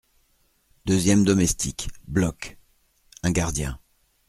Deuxième Domestique : Block Un Gardien .